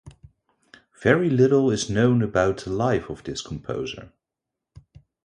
Very little is known about the life of this composer.